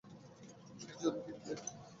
খেজুর নিন খেজুর!